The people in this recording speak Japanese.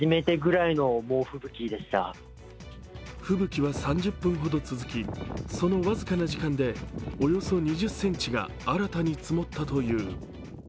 吹雪は３０分ほど続き、その僅かな時間でおよそ２０ｃｍが新たに積もったという。